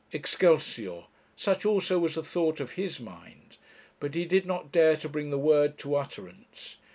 Excelsior! such also was the thought of his mind; but he did not dare to bring the word to utterance.